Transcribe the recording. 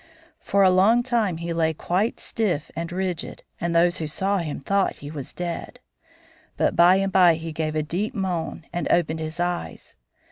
For a long time he lay quite stiff and rigid, and those who saw him thought he was dead. But by and by he gave a deep moan and opened his eyes.